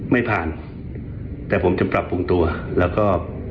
ไม่ผ่านแต่ผมจะปรับปรุงตัวแล้วก็